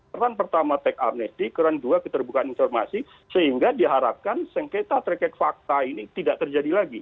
peran pertama tech amnesti keran dua keterbukaan informasi sehingga diharapkan sengketa terkait fakta ini tidak terjadi lagi